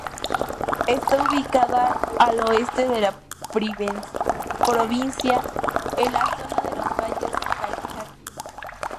Está ubicada al oeste de la provincia, en la zona de los Valles Calchaquíes.